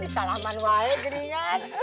salaman wale gerinya